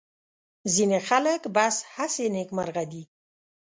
ځینې خلک بس هسې نېکمرغه دي.